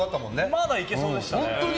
まだ行けそうでしたね。